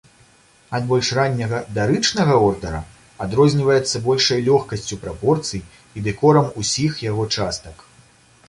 Ад больш ранняга дарычнага ордара адрозніваецца большай лёгкасцю прапорцый і дэкорам усіх яго частак.